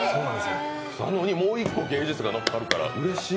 なのに、もう１個、芸術がのっかるからうれしい。